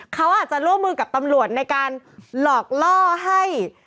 เขาอาจจะร่วมมือกับตำรวจในการหลอกล่อให้